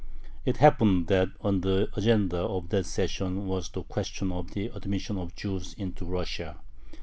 It happened that on the agenda of that session was the question of the admission of Jews into Russia.